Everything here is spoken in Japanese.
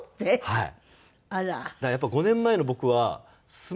はい。